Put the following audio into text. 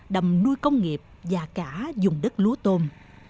đầm nuôi công nghiệp và cả dùng đất lúa tôm